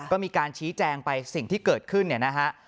ก็มีการชี้แจงไปสิ่งที่เกิดขึ้นเนี่ยนะฮะ